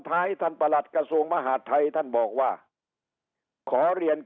ท้ายท่านประหลัดกระทรวงมหาดไทยท่านบอกว่าขอเรียน